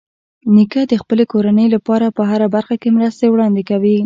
نیکه د خپلې کورنۍ لپاره په هره برخه کې مرستې وړاندې کوي.